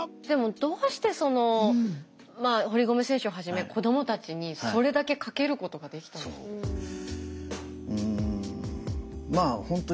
でもどうしてその堀米選手をはじめ子どもたちにそれだけかけることができたんですか？